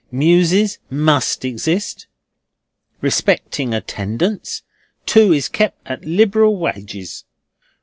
Mewses must exist. Respecting attendance; two is kep', at liberal wages.